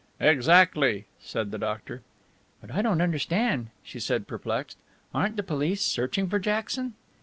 "Exactly," said the doctor. "But I don't understand," she said, perplexed. "Aren't the police searching for Jackson?"